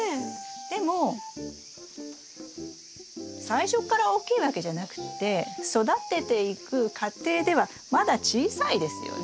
でも最初から大きいわけじゃなくて育てていく過程ではまだ小さいですよね。